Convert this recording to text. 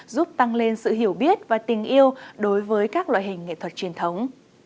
giúp tăng lên sự hiểu biết và tình yêu đối với các loại hình nghệ thuật truyền thống